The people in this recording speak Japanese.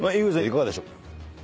いかがでしょう？